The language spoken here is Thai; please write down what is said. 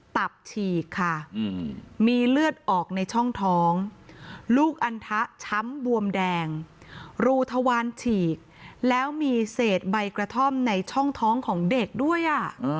ตับฉีกค่ะมีเลือดออกในช่องท้องลูกอันทะช้ำบวมแดงรูทวานฉีกแล้วมีเศษใบกระท่อมในช่องท้องของเด็กด้วย